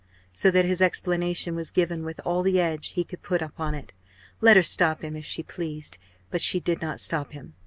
So that his explanation was given with all the edge he could put upon it. Let her stop him, if she pleased! but she did not stop him.